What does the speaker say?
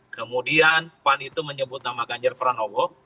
kemudian pan itu menyebut nama ganjar pranowo